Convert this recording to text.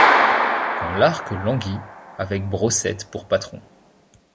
Quand l'art languit, avec Brossette pour patron